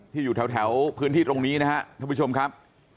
อยู่แถวพื้นที่ตรงนี้นะครับท่านผู้ชมครับ